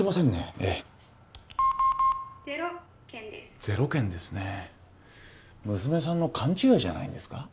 ええ０件です０件ですね娘さんの勘違いじゃないんですか？